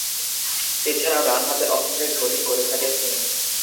এছাড়াও ডানহাতে off break bowling করে থাকেন তিনি।